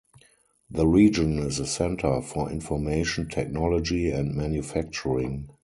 The region is a centre for information technology and manufacturing.